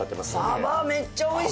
鯖めっちゃおいしい！